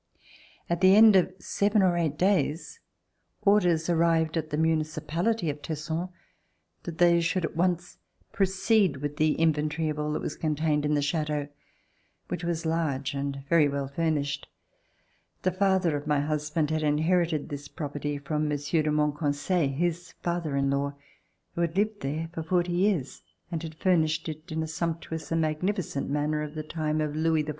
At the end of seven or eight days orders arrived at the municipality of Tesson that they should at [i6o] !G C©IT7E«TX©nfTXJCiTAifXI[En 1757 1820 LIFE AT BORDEAUX once proceed with the inventory (;f all that was con tained in the Chateau, which was large and very well furnished. The father of my husband had inherited this property from Monsieur de Monconseil, his father in law, who had lived there for forty years and had furnished it in a sumptuous and magnificent manner of the time of Louis XIV.